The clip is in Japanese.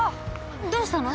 どうしたの？